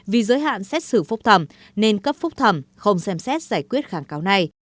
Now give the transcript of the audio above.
vì giới hạn xét xử phúc thẩm nên cấp phúc thẩm không xem xét giải quyết kháng cáo này